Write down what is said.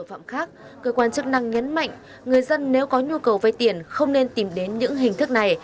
các loại tội phạm khác cơ quan chức năng nhấn mạnh người dân nếu có nhu cầu vây tiền không nên tìm đến những hình thức này